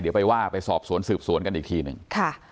เดี๋ยวไปว่าไปสอบสวนสืบสวนกันอีกทีหนึ่งค่ะ